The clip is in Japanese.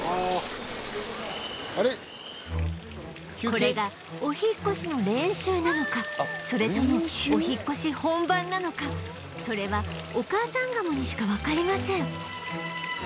これがお引っ越しの練習なのかそれともお引っ越し本番なのかそれはお母さんガモにしかわかりません